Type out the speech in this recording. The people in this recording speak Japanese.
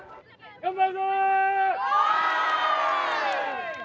頑張れ！